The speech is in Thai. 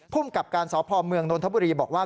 ภูมิกับการศพมนทะพุรีบอกว่า